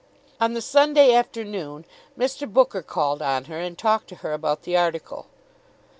On the Sunday afternoon Mr. Booker called on her and talked to her about the article.